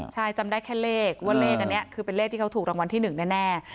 ใช่จำได้แค่เลขว่าเลขอันนี้คือเป็นเลขที่เขาถูกรางวัลที่๑แน่